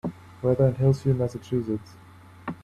weather in Hillsview Massachusetts